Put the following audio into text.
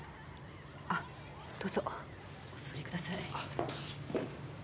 あっどうぞお座りください。